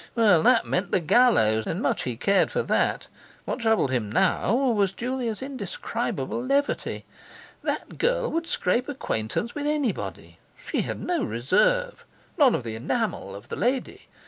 Well, that meant the gallows; and much he cared for that. What troubled him now was Julia's indescribable levity. That girl would scrape acquaintance with anybody; she had no reserve, none of the enamel of the lady.